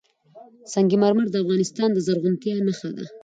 سنگ مرمر د افغانستان د زرغونتیا نښه ده.